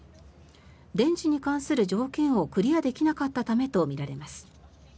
電池に関する条件をクリアできなかったためとみられます。